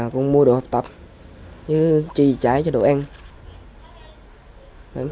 con mua đồ học tập chơi trái cho đồ ăn